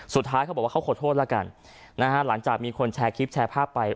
เขาบอกว่าเขาขอโทษแล้วกันนะฮะหลังจากมีคนแชร์คลิปแชร์ภาพไป